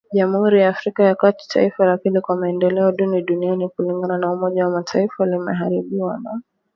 Jamhuri ya Afrika ya kati, taifa la pili kwa maendeleo duni duniani kulingana na umoja wa mataifa limeharibiwa na